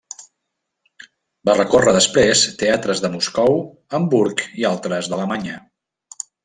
Va recórrer després teatres de Moscou, Hamburg i altres d'Alemanya.